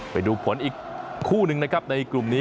ไปดูผลอีกคู่หนึ่งนะครับในกลุ่มนี้